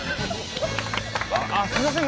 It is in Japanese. あっすみません